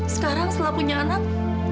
sekarang setelah punya anak